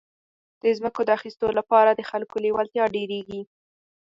د ځمکو د اخیستو لپاره د خلکو لېوالتیا ډېرېږي.